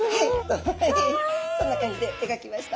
そんな感じで描きました。